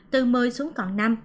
từ một mươi xuống còn năm